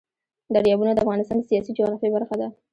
دریابونه د افغانستان د سیاسي جغرافیه برخه ده.